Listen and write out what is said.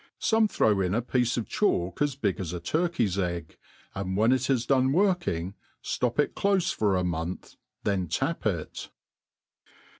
Some throw in a piece of chalk as big as a turkey's egg, and when it has done work^ ing ftop it clofe for a month, then tap it.